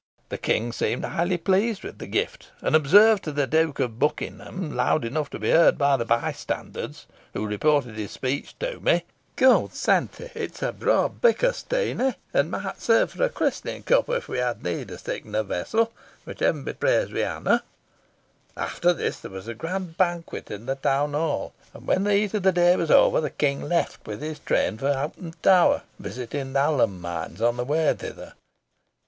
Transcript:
The King seemed highly pleased with the gift, and observed to the Duke of Buckingham, loud enough to be heard by the bystanders, who reported his speech to me, 'God's santie! it's a braw bicker, Steenie, and might serve for a christening cup, if we had need of siccan a vessel, which, Heaven be praised, we ha'e na!' After this there was a grand banquet in the town hall; and when the heat of the day was over the King left with his train for Hoghton Tower, visiting the alum mines on the way thither.